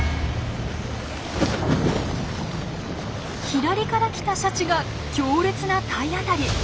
左から来たシャチが強烈な体当たり！